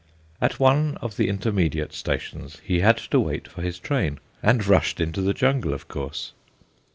At one of the intermediate stations he had to wait for his train, and rushed into the jungle of course.